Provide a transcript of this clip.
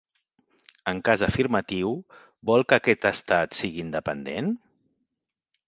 En cas afirmatiu, vol que aquest Estat sigui independent?